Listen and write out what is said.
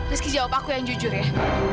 rizky jawab aku yang jujur ya